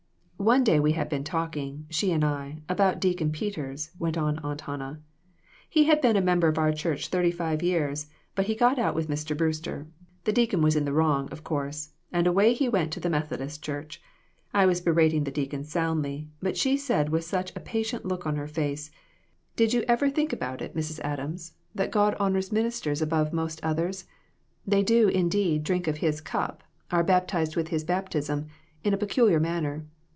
"One day we had been talking she and I about Deacon Peters," went on Aunt Hannah. He had been a member of our church thirty five years, but he got out with Mr. Brewster; the deacon was in the wrong, of course, and away he went to the Methodist church. I was berating the deacon soundly, but she said with such a patient look on her face ' Did you ever think 184 PERSECUTION OF THE SAINTS. about it, Mrs Adams, that God honors ministers above most others? They do, indeed, drink of his cup, are baptized with his baptism in a pecul iar manner.